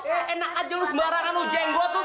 eh enak aja lo sembarangan ujian gue tuh